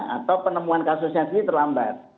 atau penemuan kasusnya terlambat